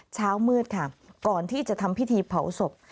เช้ามืดค่ะก่อนที่จะทำพิธีเผาศพ